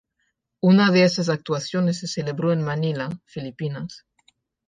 Una de estas actuaciones se celebró en Manila, Filipinas.